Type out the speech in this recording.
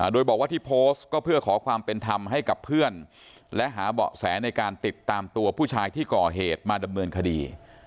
โดยบอกว่าที่โพสต์ก็เพื่อขอความเป็นธรรมให้กับเพื่อนและหาเบาะแสในการติดตามตัวผู้ชายที่ก่อเหตุมาดำเนินคดี